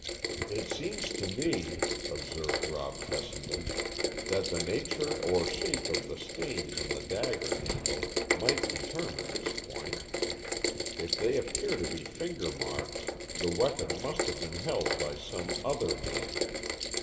"It seems to me," observed Rob Fessenden, "that the nature or shape of the stains on the dagger handle might determine this point. If they appear to be finger marks, the weapon must have been held by some other hand.